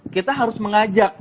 kita harus mengajak